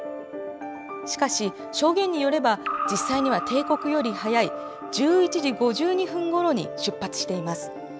しかし、証言によれば実際には定刻より早い１１時５２分ごろに出発しています。